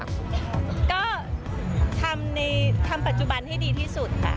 ก็ทำปัจจุบันให้ดีที่สุดค่ะ